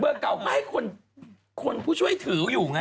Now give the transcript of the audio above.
เบอร์เก่าข้าวให้คนผู้ช่วยถือคนอยู่ไง